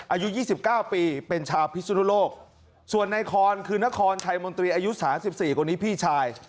อายุ๒๙ปีเป็นชาวพิสุนุโลกส่วนในคอนคือนครชัยมนตรีอายุ๓๔คนนี้พี่ชาย